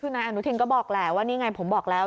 คือนายอนุทินก็บอกแหละว่านี่ไงผมบอกแล้ว